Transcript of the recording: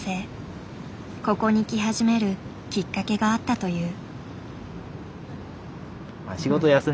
ここに来始めるきっかけがあったという。